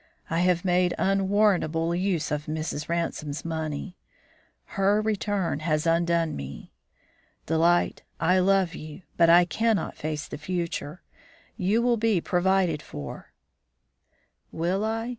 "I have made unwarrantable use of Mrs. Ransome's money; her return has undone me. Delight, I love you, but I cannot face the future. You will be provided for " "Will I?"